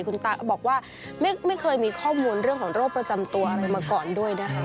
คุณตาก็บอกว่าไม่เคยมีข้อมูลเรื่องของโรคประจำตัวอะไรมาก่อนด้วยนะคะ